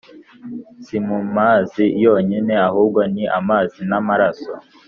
si mu mazi yonyine ahubwo ni amazi n’amaraso